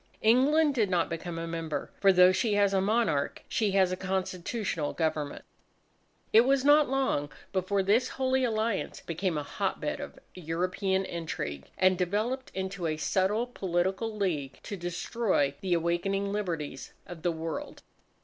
England did not become a member for though she has a monarch, she has a Constitutional Government. It was not long before this Holy Alliance became a hotbed of European intrigue, and developed into a subtle political league to destroy the awakening liberties of the World.